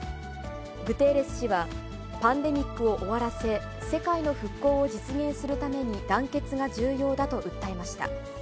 グテーレス氏は、パンデミックを終わらせ、世界の復興を実現するために団結が重要だと訴えました。